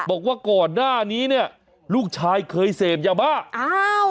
บอกว่าก่อนหน้านี้เนี่ยลูกชายเคยเสพยาบ้าอ้าว